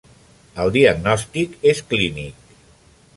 El diagnòstic és clínic.